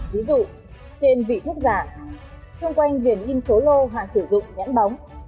ví dụ trên vị thuốc giả xung quanh viền in số lô hạn sử dụng nhãn bóng